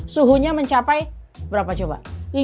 suhunya mencapai berapa coba